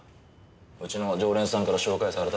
うちの常連さんから紹介されたっつって。